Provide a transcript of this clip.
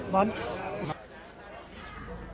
ตายอีกแล้ว